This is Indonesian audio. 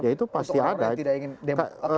untuk orang yang tidak ingin demokrat